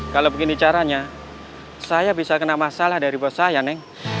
kalau begini caranya saya bisa kena masalah dari bos saya neng